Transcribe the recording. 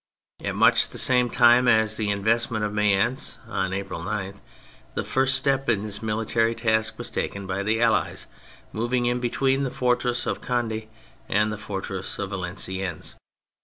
At much the same time as the in vestment of Mayence, on April 9, the first step in this military ta.sk was taken by the Allies moving in between the fortress of Conde and the fortress of Valenciennes.